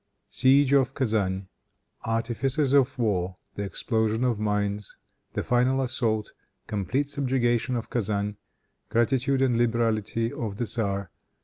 Siege of Kezan. Artifices of War. The Explosion of Mines. The Final Assault. Complete Subjugation of Kezan. Gratitude and Liberality of the Tzar.